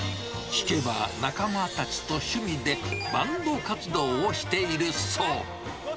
聞けば、仲間たちと趣味で、バンド活動をしているそう。